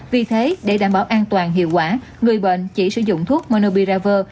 vì thế để đảm bảo an toàn hiệu quả người bệnh chỉ sử dụng thuốc monobiraver